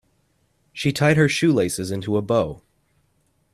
She tied her shoelaces into a bow.